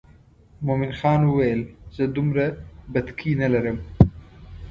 مومن خان وویل زه دومره بتکۍ نه لرم.